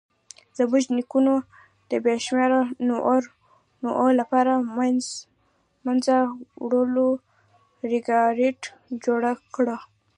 زموږ نیکونو د بې شمېره نوعو له منځه وړلو ریکارډ جوړ کړ.